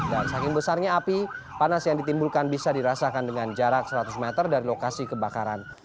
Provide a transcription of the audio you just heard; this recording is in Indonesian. dan saking besarnya api panas yang ditimbulkan bisa dirasakan dengan jarak seratus meter dari lokasi kebakaran